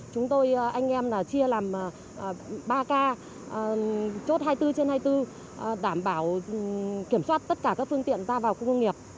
chúng tôi anh em chia làm ba k chốt hai mươi bốn trên hai mươi bốn đảm bảo kiểm soát tất cả các phương tiện ra vào khu công nghiệp